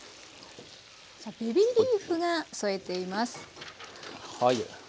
ベビーリーフが添えています。